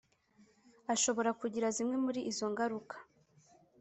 ashobora kugira zimwe muri izo ngaruka